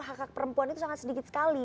hak hak perempuan itu sangat sedikit sekali